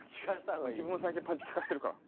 自分も最近パンチ効かせてるから。